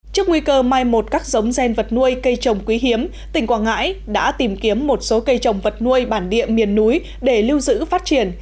trước nguy cơ mai một các giống gen vật nuôi cây trồng quý hiếm tỉnh quảng ngãi đã tìm kiếm một số cây trồng vật nuôi bản địa miền núi để lưu giữ phát triển